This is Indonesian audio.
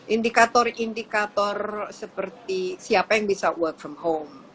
indikator indikator seperti siapa yang bisa work from home